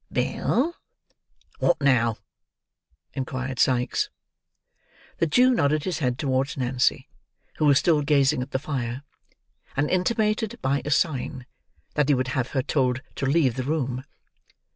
"Bill!" "What now?" inquired Sikes. The Jew nodded his head towards Nancy, who was still gazing at the fire; and intimated, by a sign, that he would have her told to leave the room.